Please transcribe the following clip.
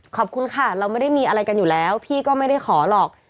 ขอบคุณค่ะเราไม่ได้มีอะไรกันอยู่แล้วพี่ก็ไม่ได้ขอหรอก